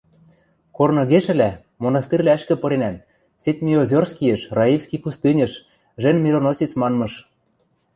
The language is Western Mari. Корныгешӹлӓ, монастырьвлӓшкӹ пыренӓм – Седмиозерскийӹш, Раифский пустыньыш, «Жен мироносиц» манмыш.